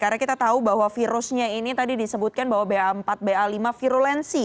karena kita tahu bahwa virusnya ini tadi disebutkan bahwa ba empat ba lima virulensi